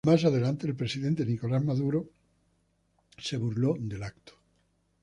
Más adelante el presidente Nicolás Maduro se burló del acto.